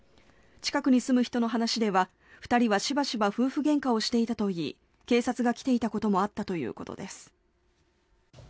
近くに住む人の話では２人はしばしば夫婦げんかをしていたといい警察が来ていたこともあったということです。